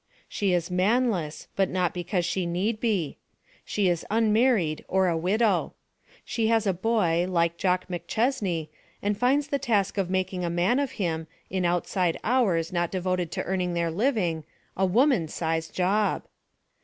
She is man less but not because she need be. She is unmarried or a widow. She has a boy, like Jock McChesney, and finds the task of making a man of him, in outside hours not devoted to earning their living, a woman sized job!